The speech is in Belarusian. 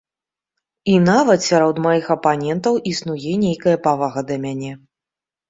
І нават сярод маіх апанентаў існуе нейкая павага да мяне.